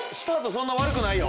そんな悪くないよ。